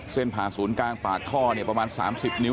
เส้นผ่าศูนย์กลางปากท่อเนี่ยประมาณ๓๐นิ้ว